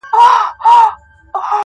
پر تېر سوى دئ ناورين د زورورو٫